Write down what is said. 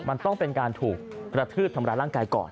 มันต้องเป็นการถูกกระทืบทำร้ายร่างกายก่อน